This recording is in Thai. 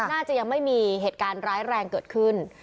น่าจะยังไม่มีเหตุการณ์ร้ายแรงเกิดขึ้น